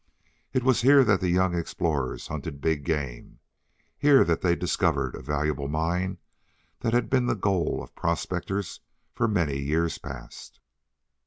It was here that the young explorers hunted big game here that they discovered a valuable mine that had been the goal of prospectors for many years past.